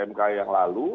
dan pmk yang lalu